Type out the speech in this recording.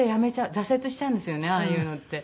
挫折しちゃうんですよねああいうのって。